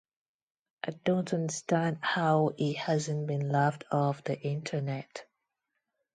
I don't understand how he hasn't been laughed off the internet.